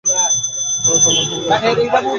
ও তোমার হবু বর কেন?